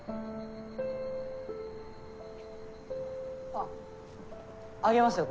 あっ上げますよ